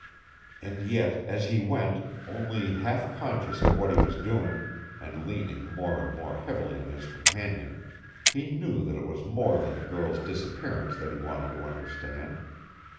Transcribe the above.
And yet as he went, only half conscious of what he was doing, and leaning more and more heavily on his companion, he knew that it was more than the girl's disappearance that he wanted to understand.